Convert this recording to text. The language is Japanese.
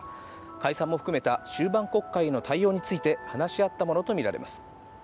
解散も含めた、終盤国会の対応について話し合ったものと見られます。